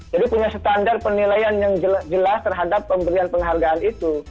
jadi punya standar penilaian yang jelas terhadap pemberian penghargaan itu